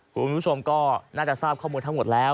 คุณผู้ชมก็น่าจะทราบข้อมูลทั้งหมดแล้ว